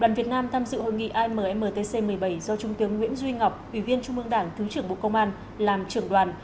đoàn việt nam tham dự hội nghị ammtc một mươi bảy do trung tướng nguyễn duy ngọc ủy viên trung mương đảng thứ trưởng bộ công an làm trưởng đoàn